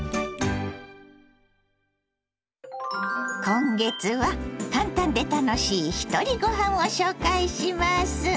今月は「簡単で楽しいひとりごはん」を紹介します。